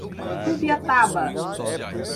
Rubiataba